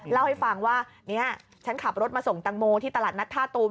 เล่าให้ฟังว่าเนี่ยฉันขับรถมาส่งตังโมที่ตลาดนัดท่าตูม